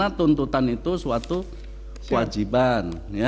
karena tuntutan itu suatu wajiban